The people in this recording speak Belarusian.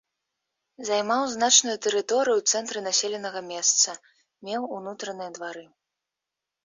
Займаў значную тэрыторыю ў цэнтры населенага месца, меў унутраныя двары.